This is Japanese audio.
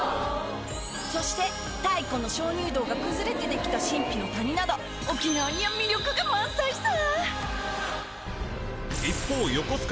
そして太古の鍾乳洞が崩れてできた神秘の谷など沖縄には魅力が満載さ！